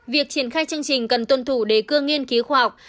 việc triển khai chương trình cần tuân thủ đề cương nghiên cứu khoa học